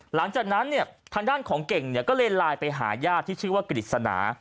หลังจากนั้นเนี่ยทางด้านของเก่งเนี่ยก็เลยไลน์ไปหาญาติที่ชื่อว่ากฤษณา